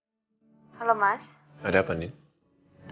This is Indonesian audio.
justru bermunculan di kepala saya saat kamu gak ada di sisi saya